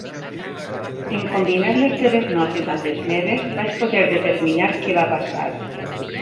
En combinar les teves notes amb les meves, vaig poder determinar què va passar.